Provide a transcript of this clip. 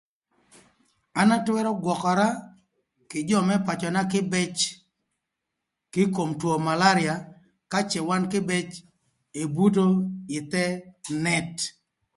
An atwërö gwökara kï jö më pacöna kïbëc kï ï kom two malaria ka cë wan kïbëc ebuto i thë nët